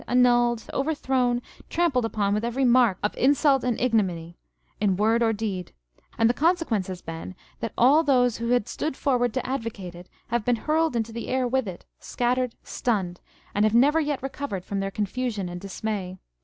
527 upon with every mark of insult and ignominy, in word or deed ; and the consequence has been that all those who had stood forward to advocate it have been hurled into the air with it, scattered, stunned, and have never yet recovered from their confusion and dismay.